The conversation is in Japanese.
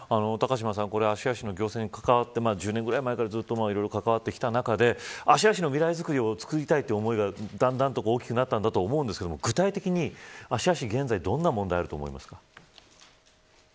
芦屋市の行政に関わって１０年ぐらい前から芦屋市に関わってきて未来づくりをしたいということがだんだん大きくなったと思いますが具体的に芦屋市にはどんな問題があると思いますか。